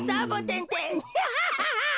ハハハハハ！